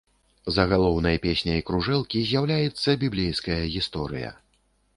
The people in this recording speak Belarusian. Загалоўнай песняй кружэлкі з'яўляецца біблейская гісторыя.